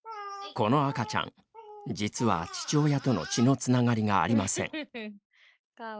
この赤ちゃん、実は父親との血のつながりがありません。